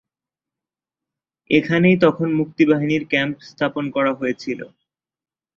এখানেই তখন মুক্তিবাহিনীর ক্যাম্প স্থাপন করা হয়েছিল।